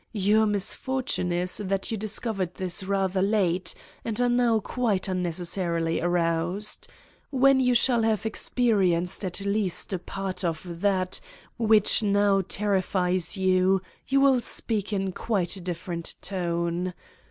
Your misfortune is that you discov ered this rather late and are now quite unneces sarily aroused. When you shall have experienced at least a part of that which now terrifies you, you will speak in quite a different tone.